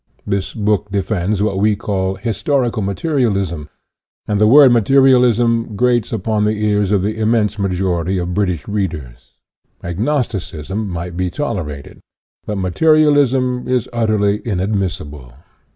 This book defends what we call " historical mate rialism," and the word materialism grates upon the ears of the immense majority of British readers. " Agnosticism " might be tolerated, but materialism is utterly inadmissible.